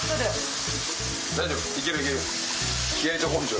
大丈夫。